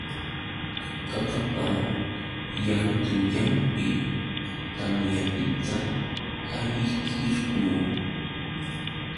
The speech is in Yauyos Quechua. Qaqapa llantullanpi tamyapiqta ayqirquu.